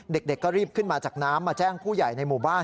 เด็กก็รีบขึ้นมาจากน้ำมาแจ้งผู้ใหญ่ในหมู่บ้าน